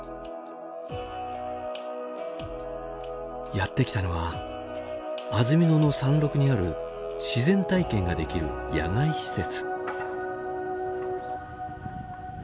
やって来たのは安曇野の山麓にある自然体験ができる野外施設。